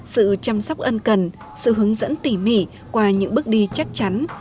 sự chăm sóc ân cần sự hướng dẫn tỉ mỉ qua những bước đi chắc chắn